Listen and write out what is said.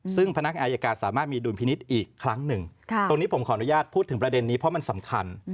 ซึ่งพนักอายการสามารถมีดุลพินิษฐ์อีกครั้งหนึ่งตรงนี้ผมขออนุญาตพูดถึงประเด็นนี้เพราะมันสำคัญ